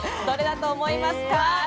どれだと思いますか？